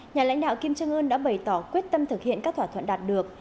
nhà lãnh đạo kim jong un đã bày tỏ quyết tâm thực hiện các thỏa thuận đạt được